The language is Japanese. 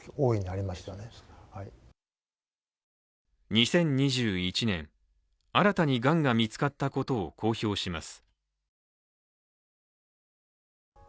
２０２１年、新たにがんが見つかったことを公表します。